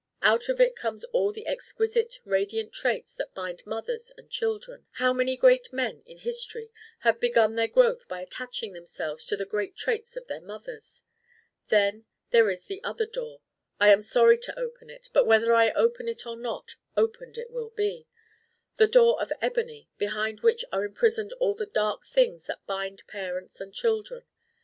Out of it come all the exquisite radiant traits that bind mothers and children. How many great men in history have begun their growth by attaching themselves to the great traits of their mothers? Then there is the other door. I am sorry to open it, but whether I open it or not, opened it will be: the Door of Ebony behind which are imprisoned all the dark things that bind parents and children.